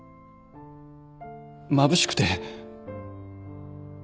まぶしくて。